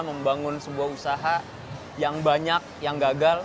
membangun sebuah usaha yang banyak yang gagal